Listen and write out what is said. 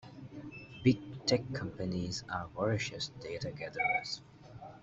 Big tech companies are voracious data gatherers.